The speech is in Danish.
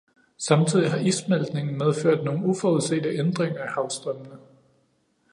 Samtidig har issmeltningen medført nogle uforudsete ændringer i havstrømmene.